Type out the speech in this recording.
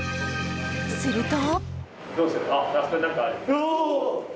すると。